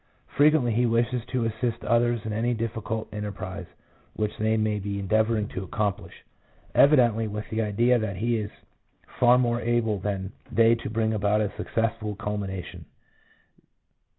Frequently he wishes to assist others in any difficult enterprise which they may be endeavour ing to accomplish, evidently with the idea that he is far more able than they to bring about a successful culmination.